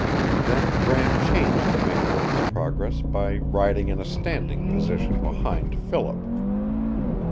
Then Bram changed the manner of his progress by riding in a standing position behind Philip.